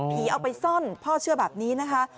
เอาไปซ่อนพ่อเชื่อแบบนี้นะคะ